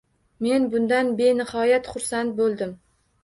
Men bundan benihoyat xursand bo'ldim.